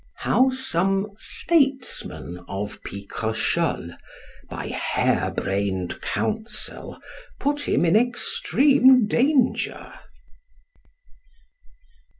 How some statesmen of Picrochole, by hairbrained counsel, put him in extreme danger.